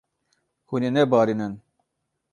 Hûn ê nebarînin.